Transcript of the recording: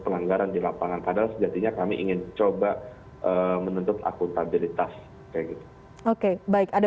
penganggaran di lapangan padahal sejatinya kami ingin coba menentukan akuntabilitas oke baik ada